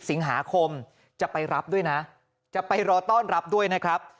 สิงหาคมจะไปรับด้วยนะจะไปรอต้อนรับด้วยนะครับ